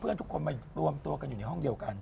เพื่อนทุกคนรวมตัวกันอยู่ในห้องเดียวกัน